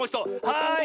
はい！